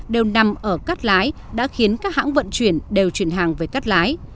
đều nằm ở cắt lái đã khiến các hãng vận chuyển đều chuyển hàng về cắt lái